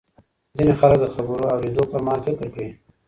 ځینې خلک د خبرونو اورېدو پر مهال فکر کوي.